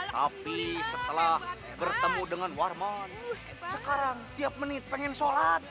tapi setelah bertemu dengan warmon sekarang tiap menit pengen sholat